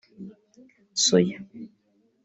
soya